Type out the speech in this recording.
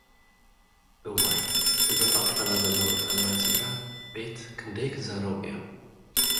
እዋይ፡ እዞም ኣብ ጥቓና ዘለዉ ኢጣልያውያን ስድራ ቤት ክንደይ ክዛረቡ እዮም።